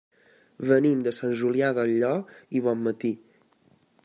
Venim de Sant Julià del Llor i Bonmatí.